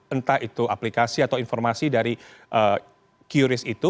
entah itu aplikasi atau informasi dari qris itu